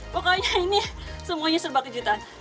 pokoknya ini semuanya serba kejutan